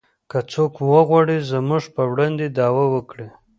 که څوک وغواړي زموږ په وړاندې دعوه وکړي